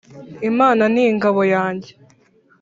imana ni ingabo yanjye.